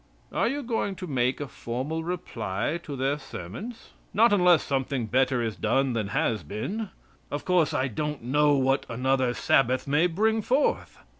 "Are you going to make a formal reply to their sermons." "Not unless something better is done than has been. Of course I don't know what another Sabbath may bring forth.